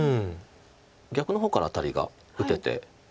逆の方からアタリが打てて。